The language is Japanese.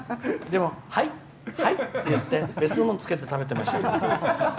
でも、はいはいって言って別のものをつけて食べてましたけど。